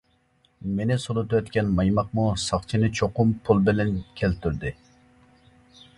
مېنى سولىتىۋەتكەن مايماقمۇ ساقچىنى چوقۇم پۇل بىلەن كەلتۈردى.